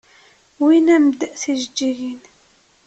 Wwin-am-d tijeǧǧigin.